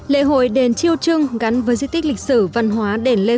lễ hội đền triêu trưng gắn với di tích lịch sử văn hóa đền lê